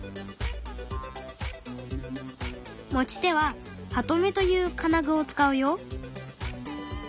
持ち手は「ハトメ」という金具を使うよ。